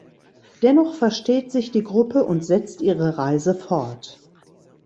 Dennoch versteht sich die Gruppe und setzt ihre Reise fort.